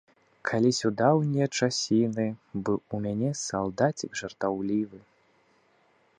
Калісь у даўнія часіны быў у мяне салдацік жартаўлівы.